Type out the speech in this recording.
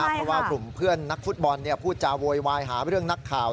เพราะว่ากลุ่มเพื่อนนักฟุตบอลพูดจาโวยวายหาเรื่องนักข่าว